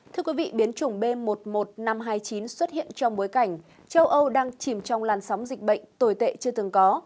thưa quý vị biến chủng b một mươi một nghìn năm trăm hai mươi chín xuất hiện trong bối cảnh châu âu đang chìm trong làn sóng dịch bệnh tồi tệ chưa từng có